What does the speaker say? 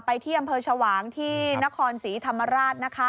ที่อำเภอชวางที่นครศรีธรรมราชนะคะ